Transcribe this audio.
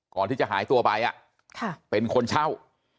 ก่อนที่จะหายตัวไปเป็นคนเช่า